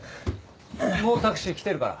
もうタクシー来てるから。